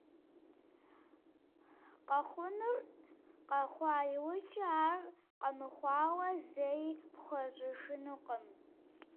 Къэхъунур къэхъуа иужькӀэ, ар къэмыхъуауэ зэи пхуэщӀыжынукъым.